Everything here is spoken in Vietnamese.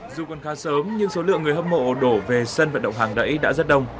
dù còn khá sớm nhưng số lượng người hâm mộ đổ về sân vận động hàng đẩy đã rất đông